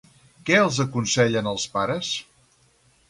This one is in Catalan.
Què els aconsellen als pares?